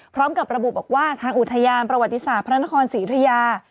พร้อมกับระบุบอกว่าทางอุทยานประวัติศาสตร์พระนครศรีอุทยา